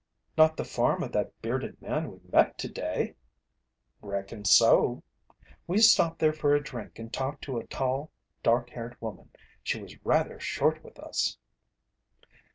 "Not the farm of that bearded man we met today!" "Reckon so." "We stopped there for a drink and talked to a tall, dark haired woman. She was rather short with us."